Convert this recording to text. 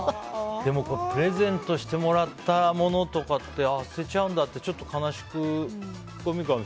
でもプレゼントしてもらった物とかって捨てちゃうんだってちょっと悲しく。